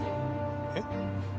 えっ？